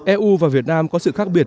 eu và việt nam có sự khác biệt